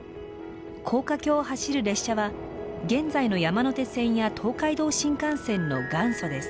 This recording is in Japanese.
高架橋を走る列車は現在の山手線や東海道新幹線の元祖です。